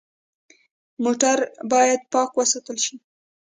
موټر باید پاک وساتل شي.